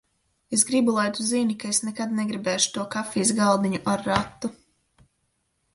Es gribu, lai tu zini, ka es nekad negribēšu to kafijas galdiņu ar ratu.